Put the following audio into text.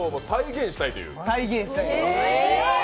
再現したいです。